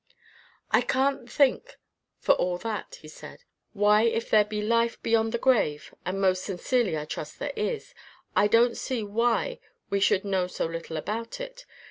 "I can't think, for all that," he said, "why, if there be life beyond the grave, and most sincerely I trust there is I don't see why we should know so little about it.